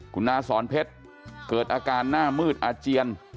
คุณอาสอนเพชรเกิดอาการหน้ามืดอาเจียน